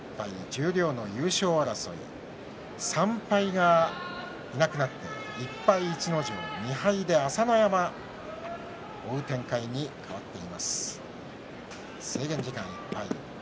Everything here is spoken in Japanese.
十両の優勝争い３敗がいなくなって１敗の逸ノ城、２敗で朝乃山が追う展開に変わっています。